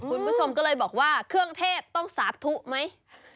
คุณผู้ชมก็เลยบอกว่าเครื่องเทศต้องสาธุไหม